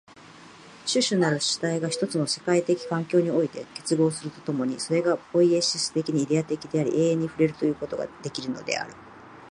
種々なる主体が一つの世界的環境において結合すると共に、それぞれがポイエシス的にイデヤ的であり、永遠に触れるということができるのである。